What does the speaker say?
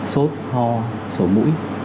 sốt ho sổ mũi